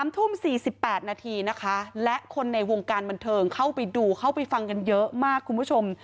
๓ทุ่ม๔๘นาทีนะคะและคนในวงการบันเทิงเข้าไปดูเข้าไปฟังกันเยอะมากคุณผู้ชม